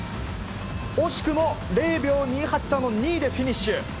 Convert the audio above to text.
惜しくも０秒２８差の２位でフィニッシュ。